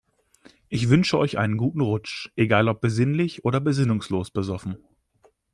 Ich wünsche euch einen guten Rutsch, egal ob besinnlich oder besinnungslos besoffen.